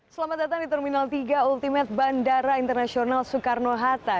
selamat datang di terminal tiga ultimate bandara internasional soekarno hatta